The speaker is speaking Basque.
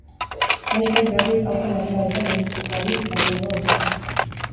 Neskek, berriz, aurten atera dute lehenbiziko aldiz trainerua uretara.